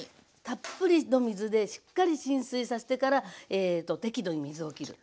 たっぷりの水でしっかり浸水させてからえっと適度に水をきる。